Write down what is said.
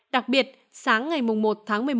đặc biệt sáng ngày một tháng một mươi một